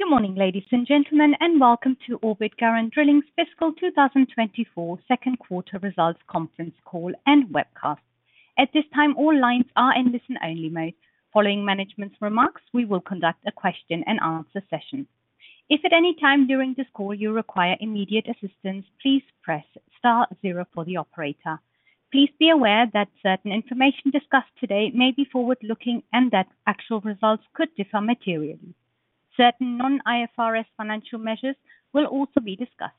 Good morning, ladies and gentlemen, and welcome to Orbit Garant Drilling's Fiscal 2024 Second Quarter Results Conference Call and Webcast. At this time, all lines are in listen-only mode. Following management's remarks, we will conduct a question-and-answer session. If at any time during this call you require immediate assistance, please press star zero for the operator. Please be aware that certain information discussed today may be forward-looking and that actual results could differ materially. Certain non-IFRS financial measures will also be discussed.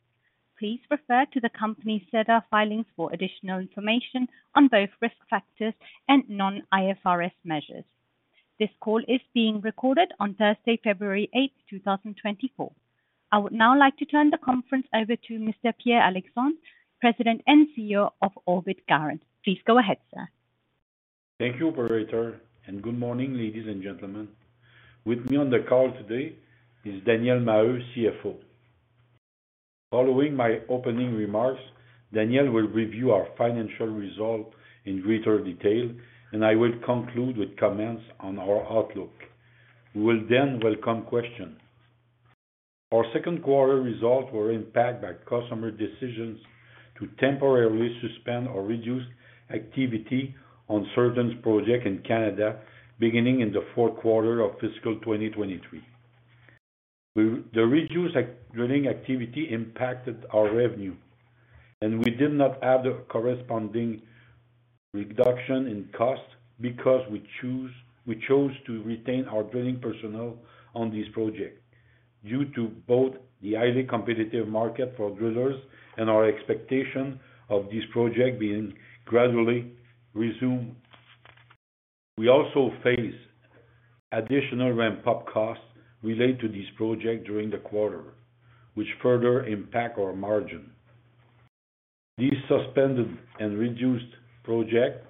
Please refer to the company's SEDAR filings for additional information on both risk factors and non-IFRS measures. This call is being recorded on Thursday, February 8th, 2024. I would now like to turn the conference over to Mr. Pierre Alexandre, President and CEO of Orbit Garant. Please go ahead, sir. Thank you, Operator, and good morning, ladies and gentlemen. With me on the call today is Daniel Maheu, CFO. Following my opening remarks, Daniel will review our financial results in greater detail, and I will conclude with comments on our outlook. We will then welcome questions. Our second quarter results were impacted by customer decisions to temporarily suspend or reduce activity on certain projects in Canada, beginning in the fourth quarter of fiscal 2023. The reduced drilling activity impacted our revenue, and we did not have the corresponding reduction in costs because we chose to retain our drilling personnel on this project due to both the highly competitive market for drillers and our expectation of this project being gradually resumed. We also faced additional ramp-up costs related to this project during the quarter, which further impact our margin. These suspended and reduced projects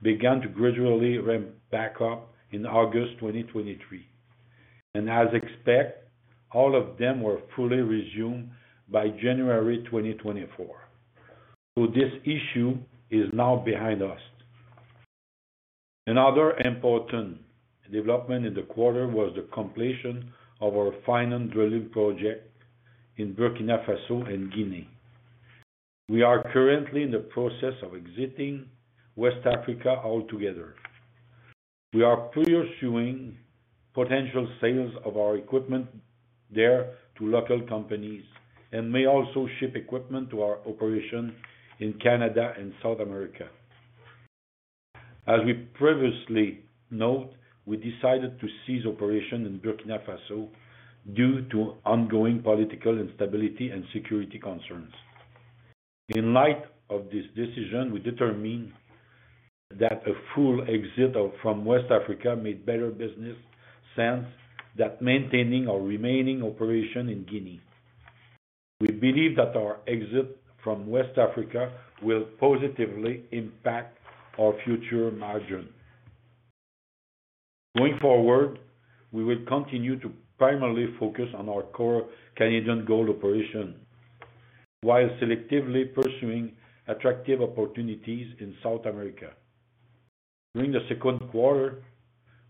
began to gradually ramp back up in August 2023, and as expected, all of them were fully resumed by January 2024. So this issue is now behind us. Another important development in the quarter was the completion of our final drilling project in Burkina Faso and Guinea. We are currently in the process of exiting West Africa altogether. We are pursuing potential sales of our equipment there to local companies and may also ship equipment to our operation in Canada and South America. As we previously noted, we decided to cease operation in Burkina Faso due to ongoing political instability and security concerns. In light of this decision, we determined that a full exit from West Africa made better business sense than maintaining our remaining operation in Guinea. We believe that our exit from West Africa will positively impact our future margin. Going forward, we will continue to primarily focus on our core Canadian gold operation, while selectively pursuing attractive opportunities in South America. During the second quarter,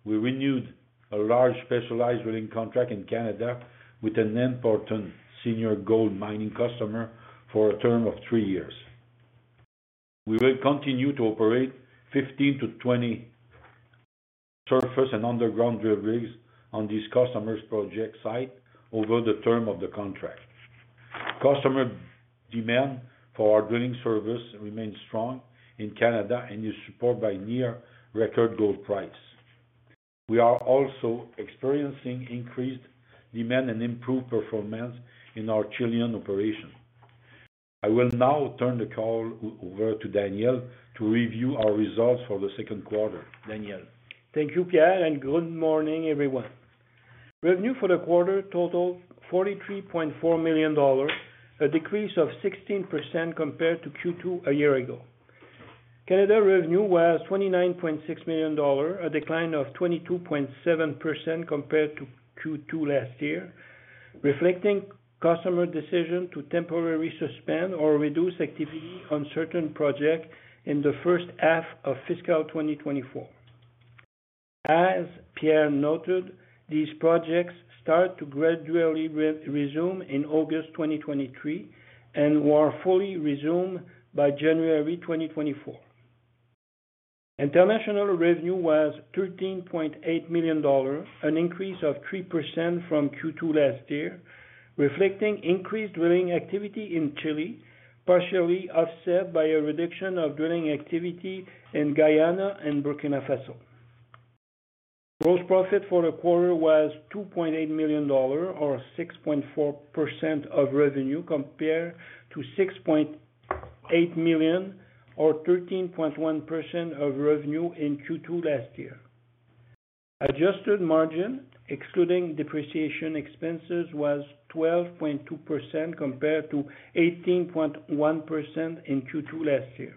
we renewed a large specialized drilling contract in Canada with an important senior gold mining customer for a term of three years. We will continue to operate 15-20 surface and underground drill rigs on this customer's project site over the term of the contract. Customer demand for our drilling service remains strong in Canada and is supported by near record gold price. We are also experiencing increased demand and improved performance in our Chilean operation. I will now turn the call over to Daniel to review our results for the second quarter. Daniel? Thank you, Pierre, and good morning, everyone. Revenue for the quarter totaled 43.4 million dollars, a decrease of 16% compared to Q2 a year ago. Canada revenue was 29.6 million dollars, a decline of 22.7% compared to Q2 last year, reflecting customer decision to temporarily suspend or reduce activity on certain projects in the first half of fiscal 2024. As Pierre noted, these projects started to gradually resume in August 2023 and were fully resumed by January 2024. International revenue was 13.8 million dollars, an increase of 3% from Q2 last year, reflecting increased drilling activity in Chile, partially offset by a reduction of drilling activity in Guyana and Burkina Faso. Gross profit for the quarter was 2.8 million dollar, or 6.4% of revenue, compared to 6.8 million, or 13.1% of revenue in Q2 last year. Adjusted margin, excluding depreciation expenses, was 12.2%, compared to 18.1% in Q2 last year.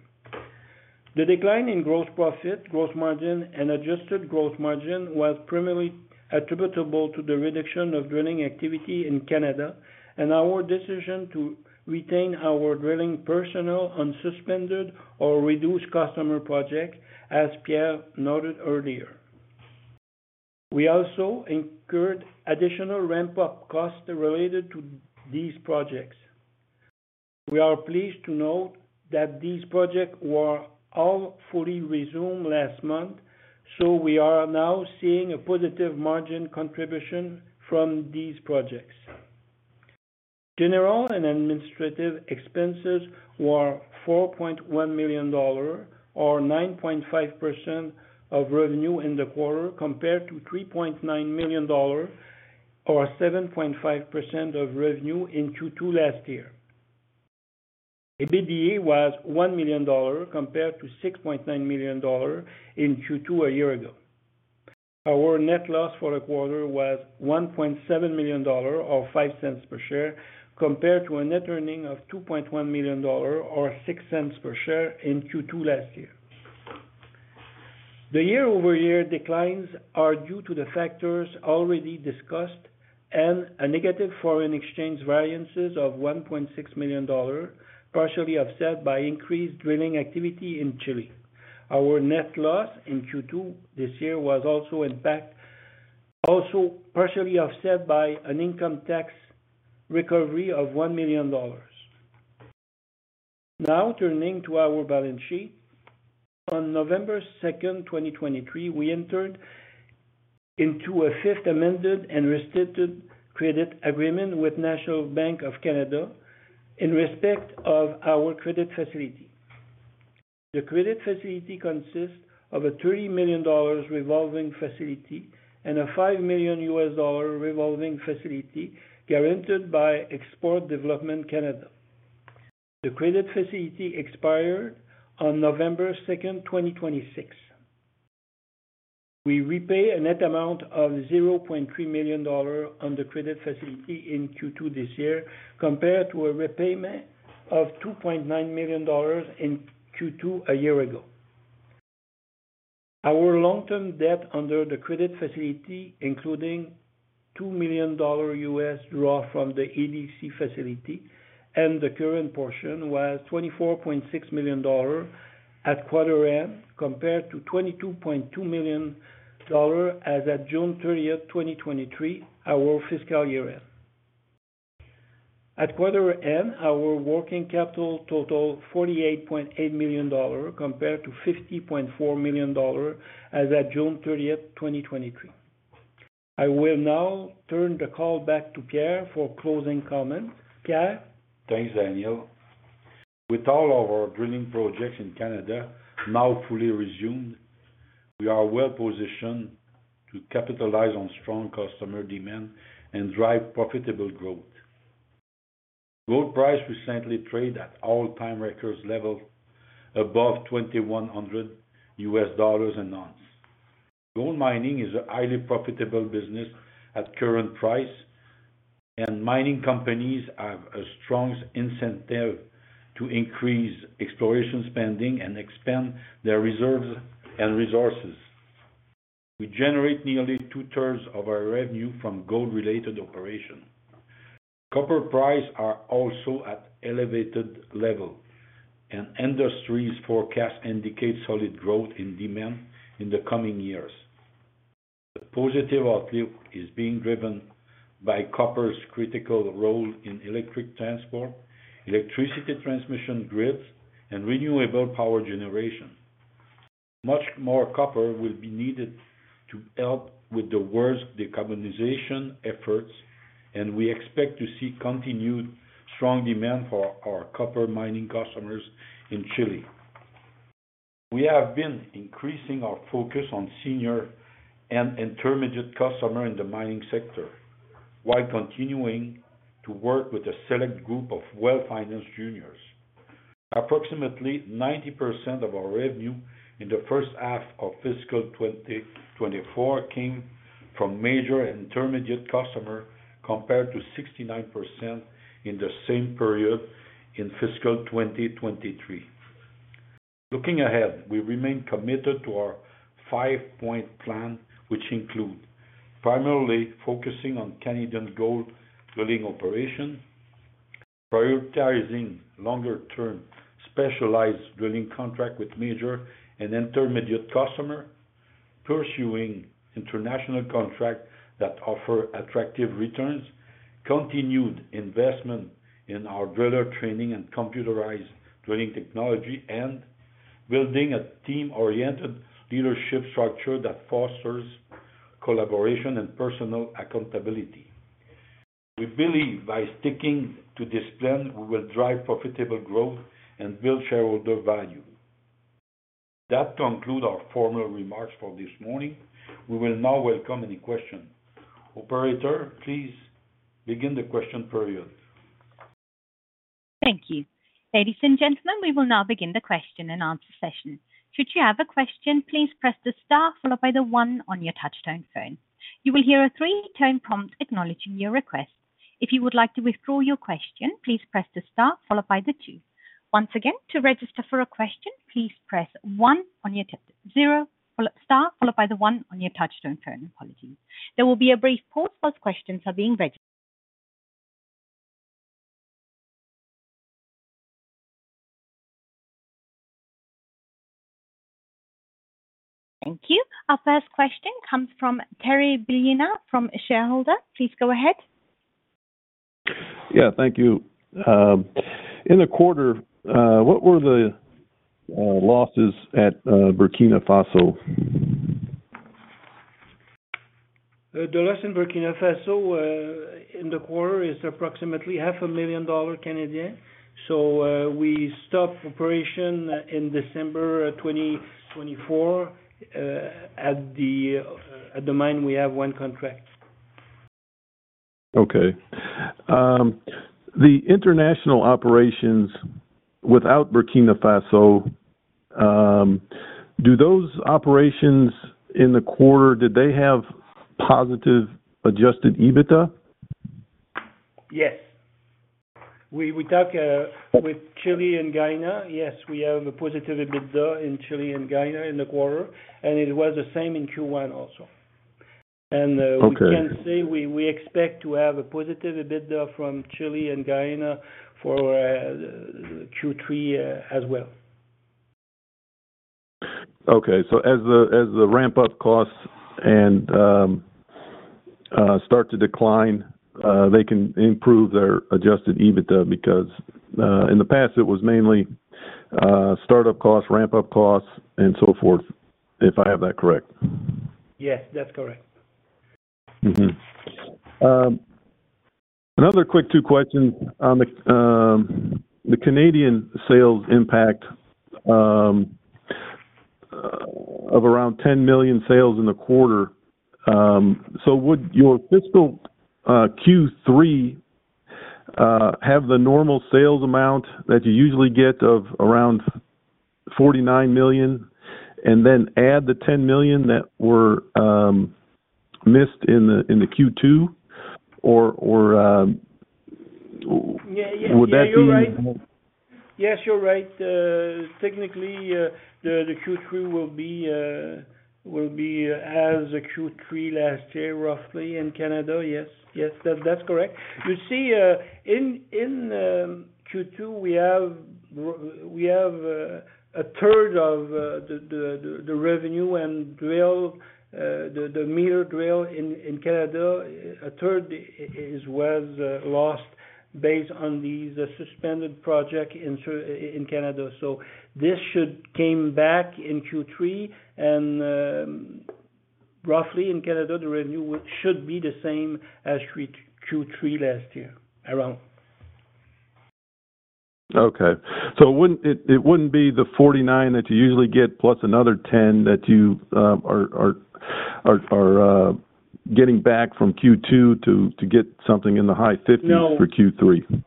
The decline in gross profit, gross margin, and adjusted gross margin was primarily attributable to the reduction of drilling activity in Canada and our decision to retain our drilling personnel on suspended or reduced customer projects, as Pierre noted earlier. We also incurred additional ramp-up costs related to these projects. We are pleased to note that these projects were all fully resumed last month, so we are now seeing a positive margin contribution from these projects. General and administrative expenses were 4.1 million dollar, or 9.5% of revenue in the quarter, compared to 3.9 million dollar or 7.5% of revenue in Q2 last year. EBITDA was 1 million dollars, compared to 6.9 million dollars in Q2 a year ago. Our net loss for the quarter was 1.7 million dollars, or 0.05 per share, compared to a net earnings of 2.1 million dollars, or 0.06 per share in Q2 last year. The year-over-year declines are due to the factors already discussed and a negative foreign exchange variance of 1.6 million dollars, partially offset by increased drilling activity in Chile. Our net loss in Q2 this year was also partially offset by an income tax recovery of 1 million dollars. Now, turning to our balance sheet. On November 2nd, 2023, we entered into a fifth amended and restated credit agreement with National Bank of Canada in respect of our credit facility. The credit facility consists of a 3 million dollars revolving facility and a $5 million revolving facility guaranteed by Export Development Canada. The credit facility expired on November 2nd, 2026. We repay a net amount of 0.3 million dollar on the credit facility in Q2 this year, compared to a repayment of 2.9 million dollars in Q2 a year ago. Our long-term debt under the credit facility, including $2 million draw from the EDC facility and the current portion, was 24.6 million dollars at quarter end, compared to 22.2 million dollars as at June 30th, 2023, our fiscal year end. At quarter end, our working capital totaled 48.8 million dollars, compared to 50.4 million dollars as of June 30th, 2023. I will now turn the call back to Pierre for closing comments. Pierre? Thanks, Daniel. With all of our drilling projects in Canada now fully resumed, we are well positioned to capitalize on strong customer demand and drive profitable growth. Gold prices recently traded at all-time record level, above $2,100 an ounce. Gold mining is a highly profitable business at current prices, and mining companies have a strong incentive to increase exploration spending and expand their reserves and resources. We generate nearly 2/3 of our revenue from gold-related operations. Copper prices are also at elevated level, and industry forecasts indicate solid growth in demand in the coming years. The positive outlook is being driven by copper's critical role in electric transport, electricity transmission grids, and renewable power generation. Much more copper will be needed to help with the world's decarbonization efforts, and we expect to see continued strong demand for our copper mining customers in Chile. We have been increasing our focus on senior and intermediate customer in the mining sector, while continuing to work with a select group of well-financed juniors. Approximately 90% of our revenue in the first half of fiscal 2024 came from major intermediate customer, compared to 69% in the same period in fiscal 2023. Looking ahead, we remain committed to our five-point plan, which include: primarily focusing on Canadian gold drilling operation, prioritizing longer-term, specialized drilling contract with major and intermediate customer, pursuing international contract that offer attractive returns, continued investment in our driller training and computerized drilling technology, and building a team-oriented leadership structure that fosters collaboration and personal accountability. We believe by sticking to this plan, we will drive profitable growth and build shareholder value. That conclude our formal remarks for this morning. We will now welcome any question. Operator, please begin the question period. Thank you. Ladies and gentlemen, we will now begin the question-and-answer session. Should you have a question, please press the star followed by the one on your touchtone phone. You will hear a three-tone prompt acknowledging your request. If you would like to withdraw your question, please press the star followed by the two. Once again, to register for a question, please press star one. Apologies. There will be a brief pause while questions are being registered... Thank you. Our first question comes from Terry Bellina, a shareholder. Please go ahead. Yeah, thank you. In the quarter, what were the losses at Burkina Faso? The loss in Burkina Faso, in the quarter is approximately 500,000 dollar. So, we stopped operation in December 2024. At the mine, we have one contract. Okay. The international operations without Burkina Faso, do those operations in the quarter, did they have positive adjusted EBITDA? Yes. We talk with Chile and Guyana. Yes, we have a positive EBITDA in Chile and Guyana in the quarter, and it was the same in Q1 also. Okay. We can say we expect to have a positive EBITDA from Chile and Guyana for Q3 as well. Okay. So as the ramp-up costs and start to decline, they can improve their Adjusted EBITDA because in the past it was mainly startup costs, ramp-up costs, and so forth, if I have that correct? Yes, that's correct. Mm-hmm. Another quick two questions on the Canadian sales impact of around 10 million sales in the quarter. So would your fiscal Q3 have the normal sales amount that you usually get of around 49 million, and then add the 10 million that were missed in the Q2 or... Yeah, yeah. Would that be- You're right. Yes, you're right. Technically, the Q3 will be as the Q3 last year, roughly in Canada. Yes. Yes, that's correct. You see, in Q2, we have 1/3 of the revenue and drill meters in Canada. A third was lost based on the suspended project in Canada. So this should came back in Q3, and roughly in Canada, the revenue should be the same as Q3 last year, around. Okay. So it wouldn't be the 49 million that you usually get, plus another 10 million that you are getting back from Q2 to get something in the high 50s- No. -for Q3.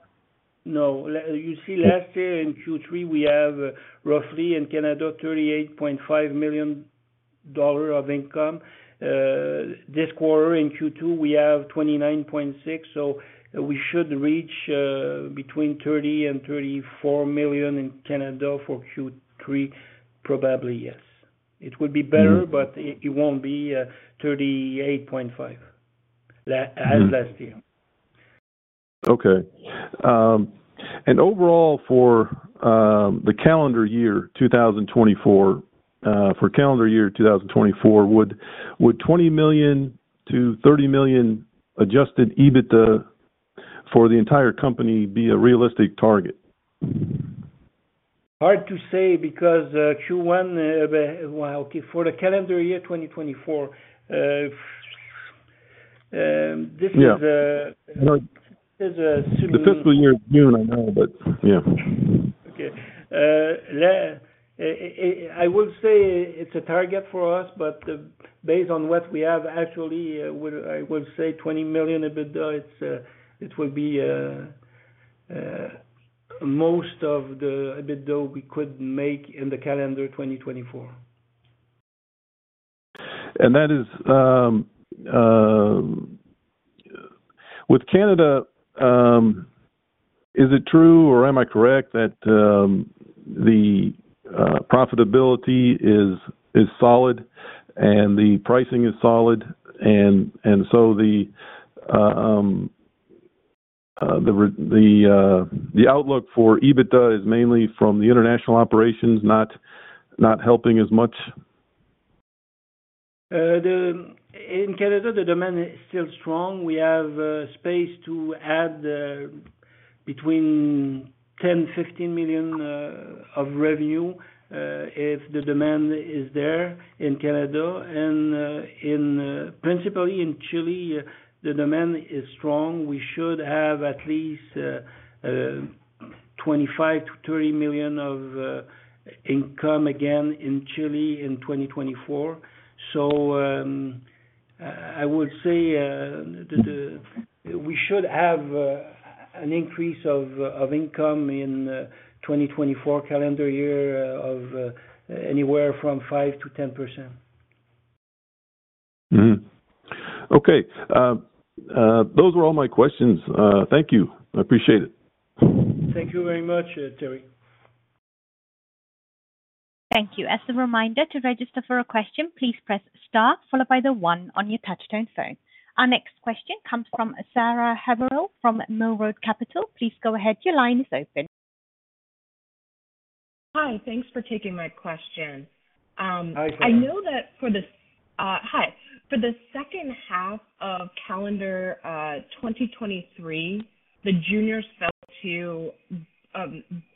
You see, last year in Q3, we have roughly in Canada, 38.5 million dollar of income. This quarter, in Q2, we have 29.6 million. So we should reach between 30 million and 34 million in Canada for Q3, probably, yes. It would be better- Mm-hmm. -but it won't be 38.5 million as last year. Okay. Overall for the calendar year, 2024, for calendar year, 2024, would 20 million-30 million adjusted EBITDA for the entire company be a realistic target? Hard to say, because Q1, well, okay, for the calendar year 2024- Yeah. This is a simple- The fiscal year is June, I know, but, yeah. Okay. I would say it's a target for us, but based on what we have actually, would... I would say 20 million EBITDA, it's, it would be most of the EBITDA we could make in the calendar 2024. And that is with Canada, is it true, or am I correct that the profitability is solid, and the pricing is solid, and so the outlook for EBITDA is mainly from the international operations, not helping as much? In Canada, the demand is still strong. We have space to add between 10 million-15 million of revenue if the demand is there in Canada. Principally in Chile, the demand is strong. We should have at least 25 million-30 million of income again in Chile in 2024. So I would say we should have an increase of income in 2024 calendar year of anywhere from 5%-10%. Mm-hmm. Okay. Those were all my questions. Thank you. I appreciate it. Thank you very much, Terry. Thank you. As a reminder, to register for a question, please press star followed by the one on your touchtone phone. Our next question comes from Sarah Heberle from Mill Road Capital. Please go ahead. Your line is open. Hi, thanks for taking my question. Hi, Sarah. I know that for the second half of calendar 2023, the juniors fell to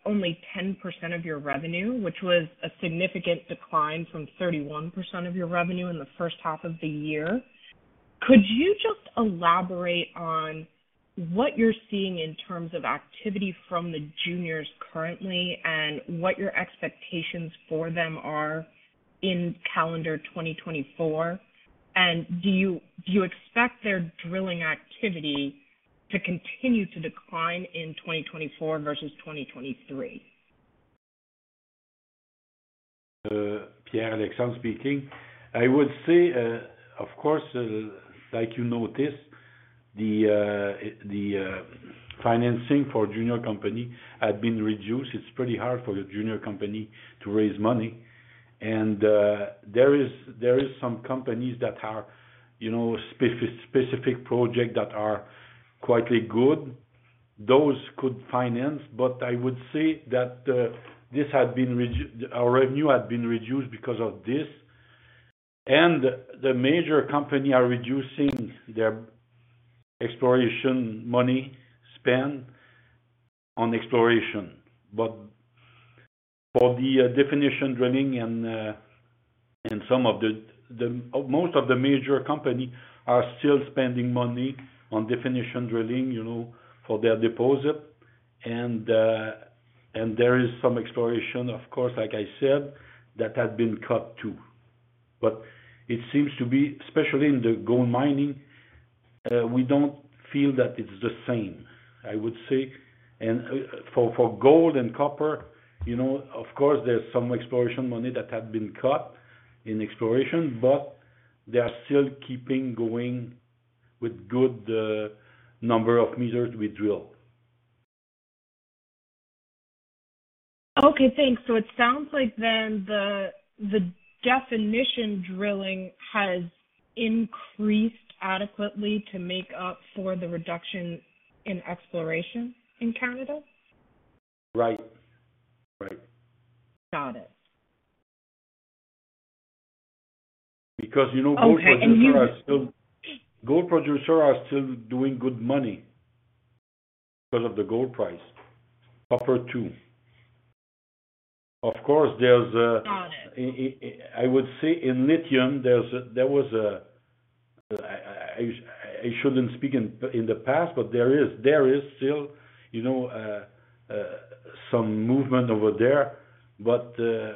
only 10% of your revenue, which was a significant decline from 31% of your revenue in the first half of the year. Could you just elaborate on what you're seeing in terms of activity from the juniors currently, and what your expectations for them are in calendar 2024? And do you expect their drilling activity to continue to decline in 2024 versus 2023? Pierre Alexandre speaking. I would say, of course, like you noticed, the financing for junior company had been reduced. It's pretty hard for a junior company to raise money. And there are some companies that are, you know, specific project that are quite good. Those could finance, but I would say that, this had been – our revenue had been reduced because of this, and the major company are reducing their exploration money spent on exploration. But for the definition drilling and some of the. Most of the major company are still spending money on definition drilling, you know, for their deposit. And there is some exploration, of course, like I said, that had been cut, too. But it seems to be, especially in the gold mining, we don't feel that it's the same, I would say. And, for, for gold and copper, you know, of course, there's some exploration money that had been cut in exploration, but they are still keeping going with good, number of meters we drill. Okay, thanks. So it sounds like then the definition Drilling has increased adequately to make up for the reduction in exploration in Canada? Right. Right. Got it. Because, you know- Okay, and you- Gold producers are still doing good money because of the gold price, copper, too. Of course, there's, Got it. I would say in lithium, there's a, there was a, I shouldn't speak in the past, but there is, there is still, you know, some movement over there. But,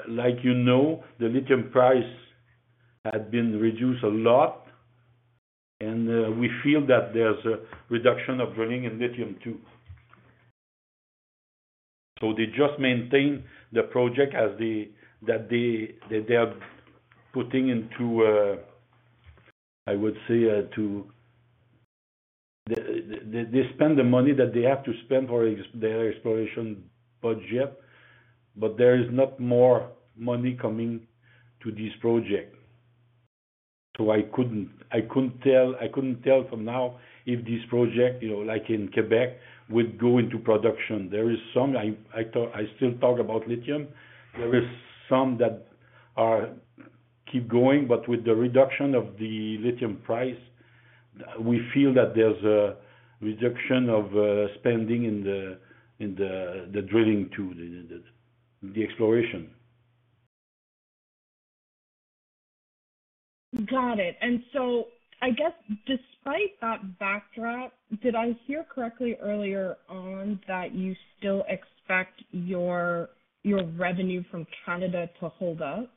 like, you know, the lithium price had been reduced a lot, and, we feel that there's a reduction of drilling in lithium, too. So they just maintain the project as the, that they, that they are putting into, I would say, to... The, the, they spend the money that they have to spend for their exploration budget, but there is not more money coming to this project. So I couldn't tell from now if this project, you know, like in Quebec, would go into production. There is some, I talk, I still talk about lithium. There is some that are keep going, but with the reduction of the lithium price, we feel that there's a reduction of spending in the drilling to the exploration. Got it. And so I guess despite that backdrop, did I hear correctly earlier on that you still expect your, your revenue from Canada to hold up?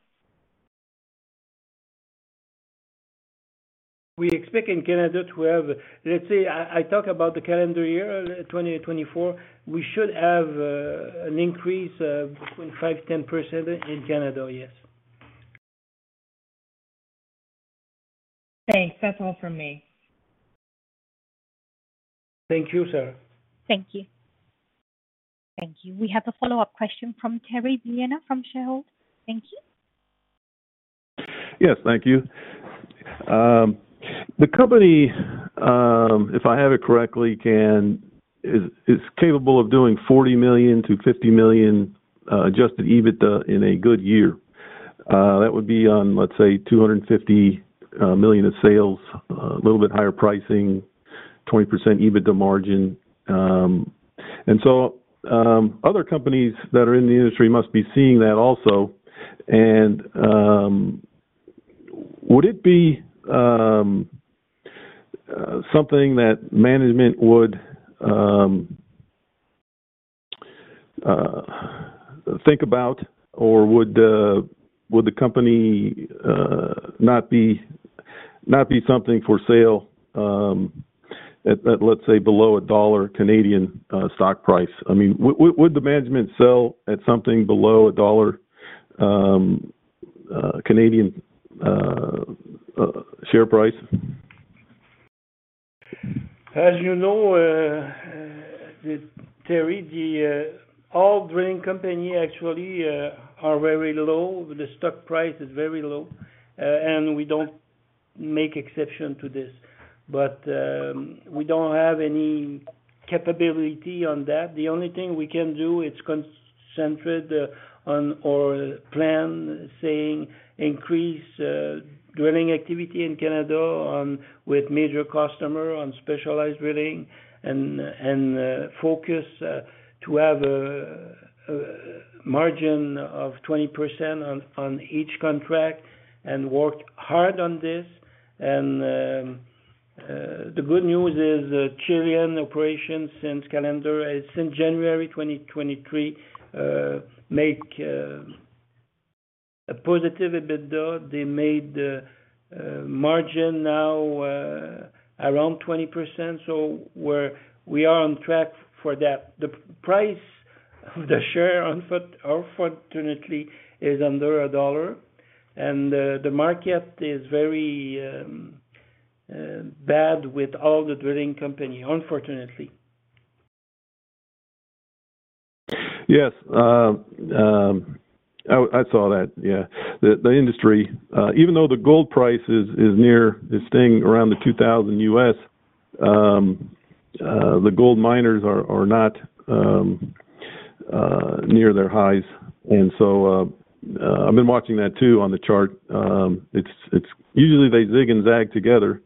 We expect in Canada to have, let's say, I, I talk about the calendar year 2024. We should have an increase of between 5%-10% in Canada. Yes. Thanks. That's all from me. Thank you, Sarah. Thank you. Thank you. We have a follow-up question from Terry Bellina, a shareholder. Thank you. Yes, thank you. The company, if I have it correctly, is capable of doing 40 million-50 million adjusted EBITDA in a good year. That would be on, let's say, 250 million of sales, a little bit higher pricing, 20% EBITDA margin. And so, other companies that are in the industry must be seeing that also. And, would it be something that management would think about, or would the company not be something for sale, at let's say below CAD 1 stock price? I mean, would the management sell at something below CAD 1 Canadian share price? As you know, Terry, the all drilling company actually are very low. The stock price is very low, and we don't- ... make exception to this. But, we don't have any capability on that. The only thing we can do, it's concentrated on our plan, saying increase, drilling activity in Canada on with major customer, on specialized drilling and, and, focus, to have a, a margin of 20% on, on each contract and work hard on this. And, the good news is, Chilean operations since calendar, since January 2023, make, a positive EBITDA. They made, a margin now, around 20%. So we're, we are on track for that. The price of the share unfortunately, is under CAD 1, and, the market is very, bad with all the drilling company, unfortunately. Yes. I saw that. Yeah. The industry, even though the gold price is staying around the $2,000, the gold miners are not near their highs. And so, I've been watching that too on the chart. It's usually they zig and zag together,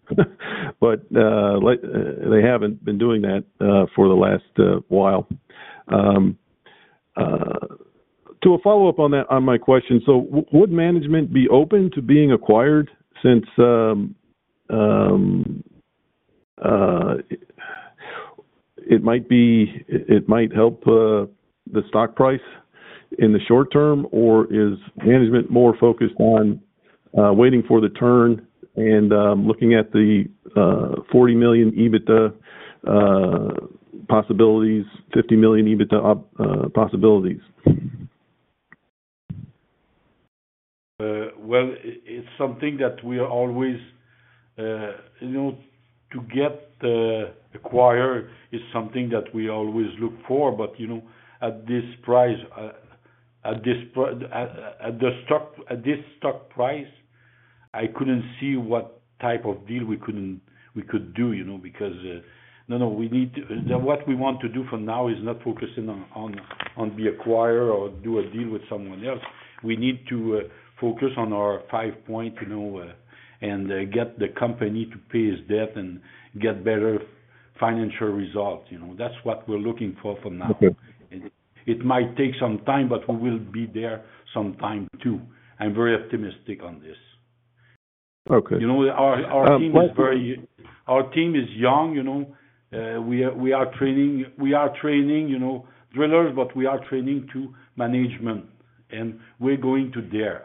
but, like, they haven't been doing that for the last while. To a follow-up on that, on my question, so would management be open to being acquired since it might be... It might help the stock price in the short term, or is management more focused on waiting for the turn and looking at the 40 million EBITDA possibilities, 50 million EBITDA possibilities? Well, it's something that we are always, you know, to get acquired is something that we always look for. But, you know, at this price, at this stock price, I couldn't see what type of deal we couldn't, we could do, you know, because, no, no. What we want to do for now is not focusing on, on be acquired or do a deal with someone else. We need to focus on our five point, you know, and get the company to pay its debt and get better financial results. You know, that's what we're looking for for now. Okay. It might take some time, but we will be there sometime too. I'm very optimistic on this. Okay. You know, our team is very- Um, one- Our team is young, you know. We are training, you know, drillers, but we are training to management, and we're going to there.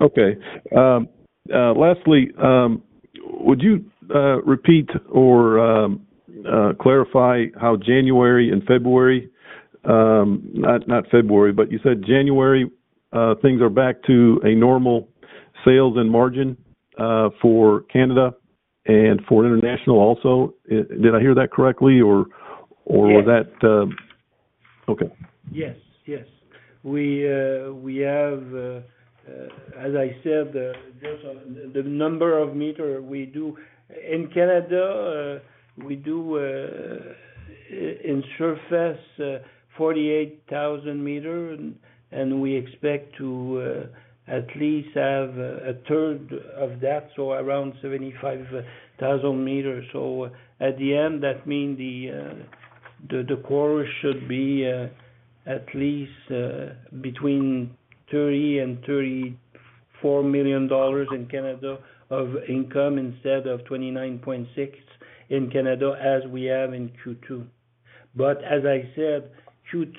Okay. Lastly, would you repeat or clarify how January and February, not February, but you said January, things are back to a normal sales and margin for Canada and for international also. Did I hear that correctly, or- Yes. Or was that? Okay. Yes, yes. We have, as I said, there's the number of meters we do. In Canada, we do in surface, 48,000 m, and we expect to at least have 1/3 of that, so around 75,000 m. So at the end, that means the quarter should be at least between 30 million and 34 million dollars in Canada of income, instead of 29.6 million in Canada, as we have in Q2. But as I said, Q2,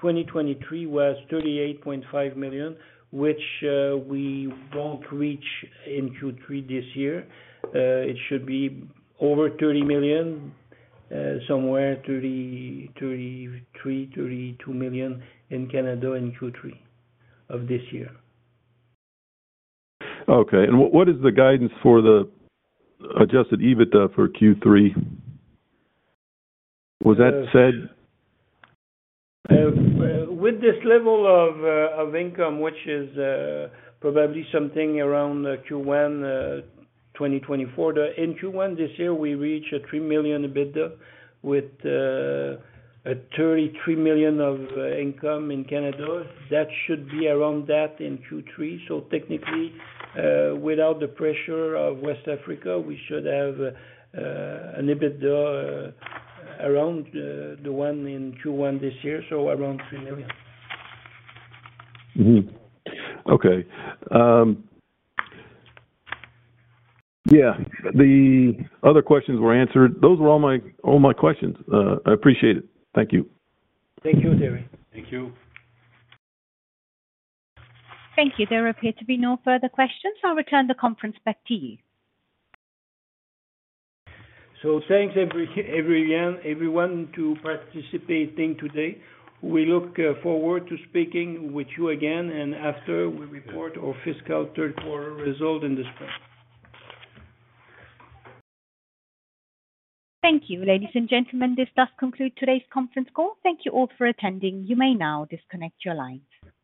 2023 was 38.5 million, which we won't reach in Q3 this year. It should be over 30 million, somewhere 30 million, 33 million, 32 million in Canada, in Q3 of this year. Okay. And what, what is the guidance for the adjusted EBITDA for Q3? Was that said? With this level of income, which is probably something around Q1 2024. In Q1 this year, we reached 3 million EBITDA with 33 million of income in Canada. That should be around that in Q3. So technically, without the pressure of West Africa, we should have an EBITDA around the one in Q1 this year, so around 3 million. Mm-hmm. Okay. Yeah, the other questions were answered. Those were all my, all my questions. I appreciate it. Thank you. Thank you, Terry. Thank you. Thank you. There appear to be no further questions. I'll return the conference back to you. Thanks to everyone participating today. We look forward to speaking with you again after we report our fiscal third quarter results in the spring. Thank you, ladies and gentlemen. This does conclude today's conference call. Thank you all for attending. You may now disconnect your lines.